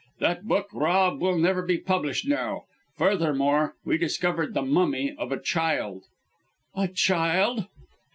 That book, Rob, will never be published now! Furthermore, we discovered the mummy of a child " "A child."